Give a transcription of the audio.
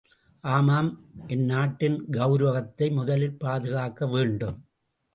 ஆமாம் என் நாட்டின் கவுரவத்தை முதலில் பாதுகாக்க வேண்டும்!...